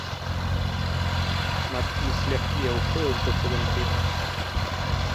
احمدمصلح یو ښه زده کوونکی دی.